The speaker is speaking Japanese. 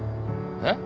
えっ？